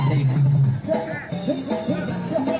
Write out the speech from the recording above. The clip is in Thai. กลับมาเท่าไหร่